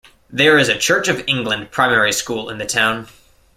There is a Church of England primary school in the town.